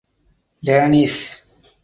Danis.